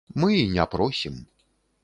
Мы і не просім.